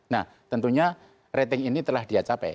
nah tentunya rating ini telah dia capai